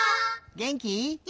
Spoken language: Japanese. げんき！